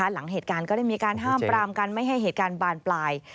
หลังเหตุการณ์ก็ได้มีการห้ามปรามกันไม่ให้เหตุการณ์บานปลาย